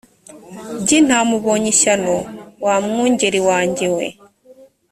by intama ubonye ishyano wa mwungeri wanjye we